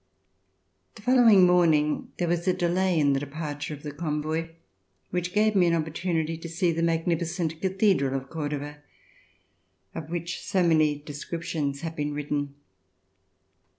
The following morning there was a delay in the departure of the convoy, which gave me an oppor tunity to see the magnificent Cathedral of Cordova 'of which so many descriptions have been written.